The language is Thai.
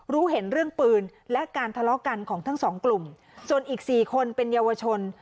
รู้เห็นเรื่องปืนและการทะเลาะกันของทั้งสองกลุ่มส่วนอีก๔คนเป็นเยาวชน